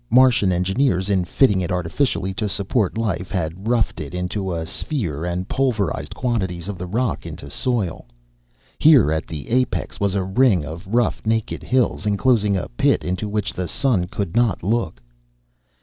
Martian engineers in fitting it artificially to support life, had roughed it into a sphere and pulverized quantities of the rock into soil. Here, at the apex, was a ring of rough naked hills enclosing a pit into which the sun could not look.